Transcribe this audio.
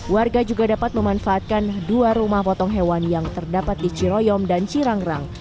warga juga dapat memanfaatkan dua rumah potong hewan yang terdapat di ciroyom dan cirangrang